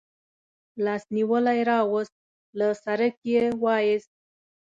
لاس نیولی راوست، له سړک یې و ایست.